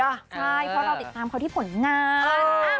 ใช่เพราะเราติดตามเขาที่ผลงาน